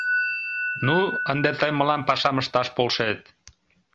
Ну, ынде тый мылам пашам ышташ полшет!